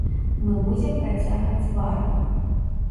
Мы будзем працягваць варту.